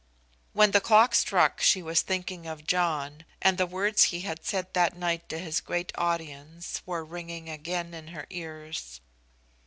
When the clock struck she was thinking of John, and the words he had said that night to his great audience were ringing again in her ears.